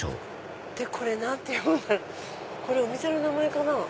これお店の名前かな？